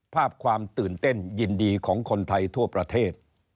ภาพความตื่นเต้นยินดีของคนไทยทั่วประเทศ